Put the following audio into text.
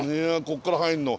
ここから入るの？